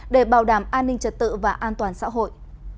để bảo đảm an ninh trật tự và an toàn xã hội